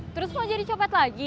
terus mau jadi copet lagi